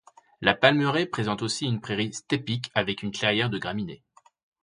La Palmeraie présente aussi une prairie steppique avec une clairière de graminées.